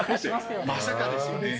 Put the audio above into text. まさかですよね。